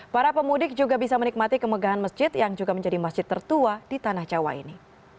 para pemudik juga bisa menikmati kemegahan masjid yang juga menjadi masjid tertua di tanah jawa ini